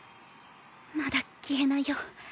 まだ消えないよ。